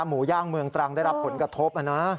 หมูย่างเมืองตรังได้รับผลกระทบนะ